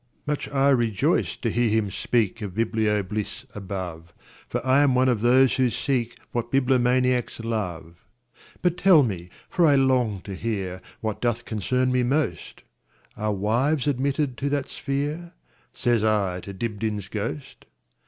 Much I rejoiced to hear him speakOf biblio bliss above, For I am one of those who seekWhat bibliomaniacs love."But tell me, for I long to hearWhat doth concern me most, Are wives admitted to that sphere?"Says I to Dibdin's ghost.